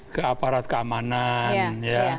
ke aparat keamanan